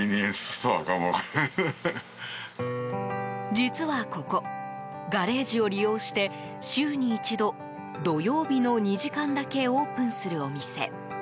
実はここガレージを利用して週に一度、土曜日の２時間だけオープンするお店。